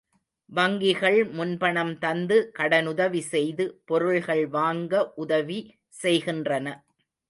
வங்கிகள் முன்பணம் தந்து கடனுதவி செய்து பொருள்கள் வாங்க உதவி செய்கின்றன.